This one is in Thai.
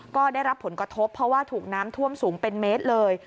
ก็ได้รับผลกระทบเพราะว่าถูกน้ำท่วมสูงเป็นเมตรเลย